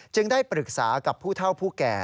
ได้ปรึกษากับผู้เท่าผู้แก่